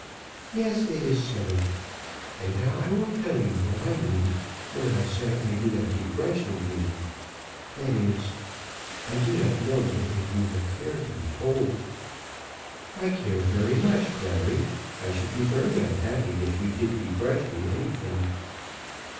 "Yes; it is settled. And now I will tell you what I mean when I say I do not begrudge him to you. That is ; I do not know whether you will care to be told." "I care very much, Clary. I should be very unhappy if you did begrudge me anything."